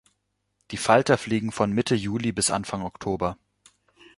Die Falter fliegen von Mitte Juli bis Anfang Oktober.